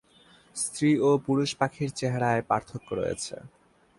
স্ত্রী ও পুরুষ পাখির চেহারায় পার্থক্য রয়েছে।